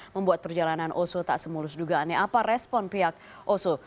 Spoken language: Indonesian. membuat perjalanan oso tak semulus dugaannya apa respon pihak oso